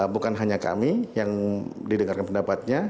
bukan hanya kami yang didengarkan pendapatnya